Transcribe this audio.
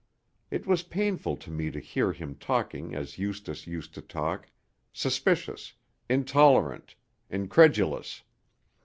It was painful to me to hear him talking as Eustace used to talk, suspicious, intolerant, incredulous....